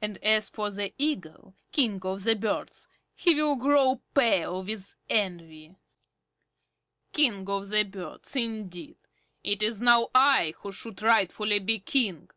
And as for the Eagle, King of the Birds, he will grow pale with envy. King of the Birds, indeed! It is now I who should rightfully be King.